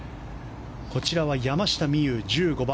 こちらは、山下美夢有、１５番。